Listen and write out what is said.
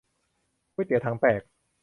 ก๋วยเตี๋ยวถังแตก